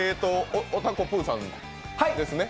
おたこぷーさんですね。